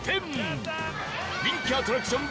人気アトラクション